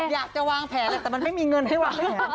อยากจะวางแผนเลยแต่มันไม่มีเงินให้วางแผน